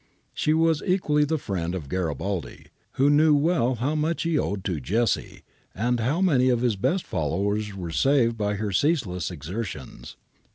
She was equally the friend of Garibaldi, who knew well how much he owed to 'Jessie ' and how many of his best followers were saved by her ceaseless exertions.